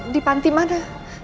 di panti mana